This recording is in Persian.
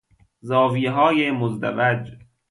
زاویههای مزدوج